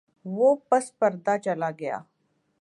وہ پس پردہ چلاگیا۔